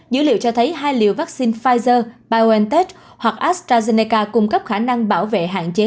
dữ liệu cho thấy hai liều vaccine pfizer biontech hoặc astrazeneca cung cấp khả năng bảo vệ hạn chế